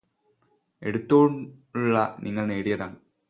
എടുത്തോളുഇത് നിങ്ങള് നേടിയതാണ്